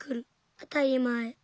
あたりまえ。